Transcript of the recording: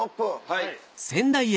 はい。